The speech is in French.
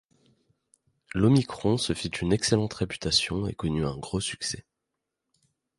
L'Omicron se fit une excellente réputation et connut un gros succès.